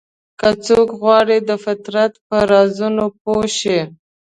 که څوک غواړي د فطرت په رازونو پوه شي.